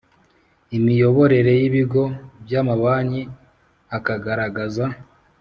imiyoborere y ibigo by amabanki akagaragaza